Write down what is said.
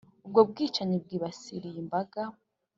ubwo bwicanyi bwibasiye imbaga.